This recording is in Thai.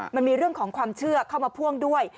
มันมีเรื่องของความเชื่อเข้ามาพ่วงด้วย